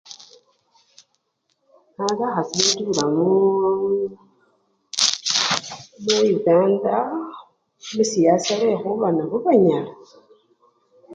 Mala bakhasi betubila muu! muyukanda musiyasa lwekhuba nabo banyala.